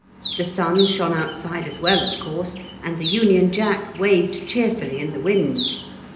The sun shone outside as well, of course, and the Union Jack waved cheerfully in the wind.